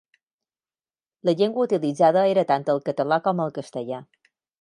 La llengua utilitzada era tant el català com el castellà.